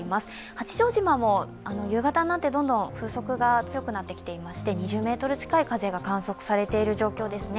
八丈島も夕方になって、どんどん風速が強くなってきていまして２０メートル近い風が観測されている状態ですね。